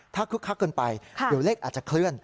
ถ้าคึกคักเกินไปเดี๋ยวเลขอาจจะเคลื่อน